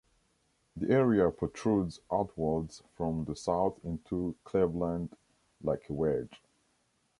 The area protrudes outwards from the south into Cleveland like a wedge.